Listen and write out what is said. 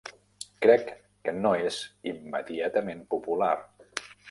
Crec que no és immediatament popular.